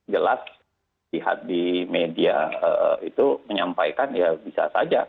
jelas lihat di media itu menyampaikan ya bisa saja